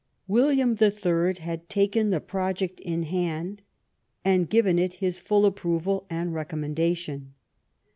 William the Third had taken the proj ect in hand and given it his full approval and recom mendation.